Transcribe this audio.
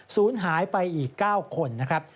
ศูนย์หายไปอีก๙คนนะครับ